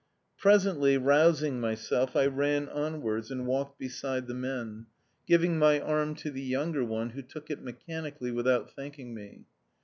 ... Presently, rousing myself, I ran onwards and walked beside the men, giving my arm to the younger one, who took it mechanically, without thanking me.